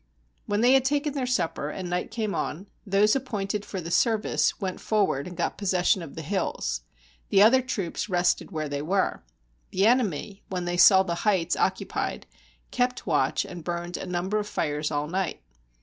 When they had taken their supper, and night came on, those appointed for the service went forward and got possession of the hills; the other troops rested where they were. The enemy, when they saw the heights oc cupied, kept watch and burned a number of fires all night.